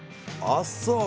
あっそう。